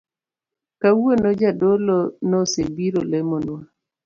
Kawuono Jadolo nosebiro lemonwa